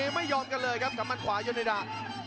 ไม่ยอมกันเลยครับกับมัดขวายดา